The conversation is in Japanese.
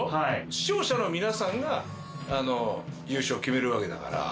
視聴者の皆さんが優勝決めるわけだから。